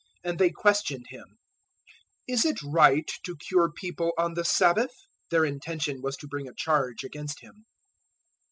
And they questioned Him, "Is it right to cure people on the Sabbath?" Their intention was to bring a charge against Him.